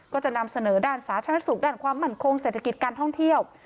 ก็จะนำเสนอด้านสาธารณสุขด้านความมั่นคงเศรษฐกิจการท่องเที่ยว